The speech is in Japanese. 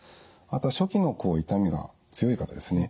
あと初期の痛みが強い方ですね。